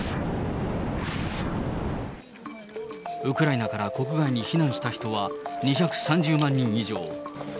ウクライナから国外に避難した人は２３０万人以上。